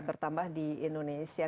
bertambah di indonesia